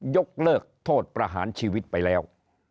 ยกเลิกโทษประหารชีวิตไปแล้ว